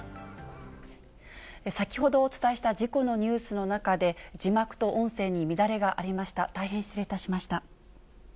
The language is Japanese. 先ほどお伝えした事故のニュースの中で、字幕と音声に乱れがありました。